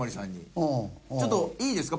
ちょっといいですか？